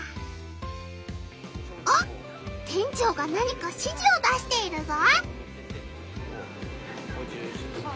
あっ店長が何かしじを出しているぞ！